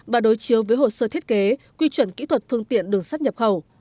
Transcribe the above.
và đối chiếu với hồ sơ thiết kế quy chuẩn kỹ thuật phương tiện đường sắt nhập khẩu